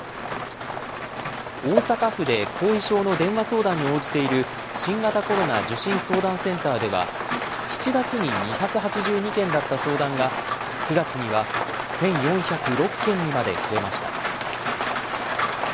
大阪府で後遺症の電話相談に応じている、新型コロナ受診相談センターでは、７月に２８２件だった相談が、９月には１４０６件にまで増えました。